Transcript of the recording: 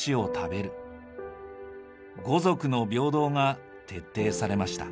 「五族の平等」が徹底されました。